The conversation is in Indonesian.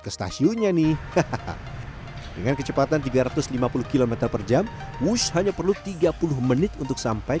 ke stasiunnya nih hahaha dengan kecepatan tiga ratus lima puluh km per jam wush hanya perlu tiga puluh menit untuk sampai